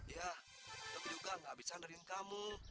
ya tapi juga tidak bisa menerima kamu